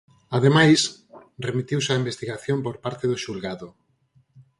Ademais, remitiuse á investigación por parte do xulgado.